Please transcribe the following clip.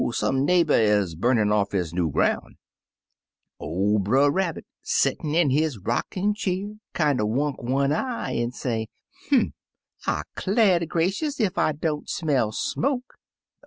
some neighbor is burnin.' off his new groun'.' or Brer Rabbit, settin* in his rockin' cheer, kinder wunk one eye, an* say, * Humph! I 'clar' ter gracious ef I don't smell smoke!'